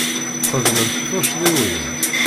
Txedmemt tuccḍiwin.